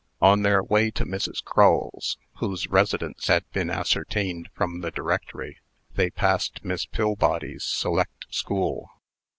On their way to Mrs. Crull's whose residence had been ascertained from the Directory they passed Miss Pillbody's select school.